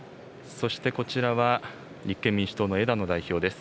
そしてこちらは、立憲民主党の枝野代表です。